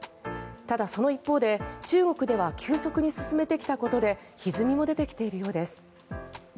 ただ、その一方で中国では急速に進めてきたことでひずみも出てきているようです。